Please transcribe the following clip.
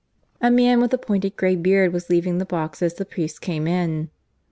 A man with a pointed grey beard was leaving the box as the priest came in.